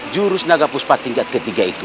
jurus naga puspa tingkat ketiga itu